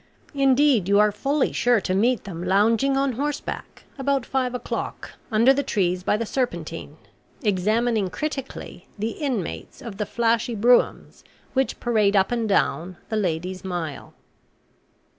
Indeed you are fully sure to meet them lounging on horseback, about five o'clock, under the trees by the Serpentine, examining critically the inmates of the flashy broughams which parade up and down 'the Lady's Mile.'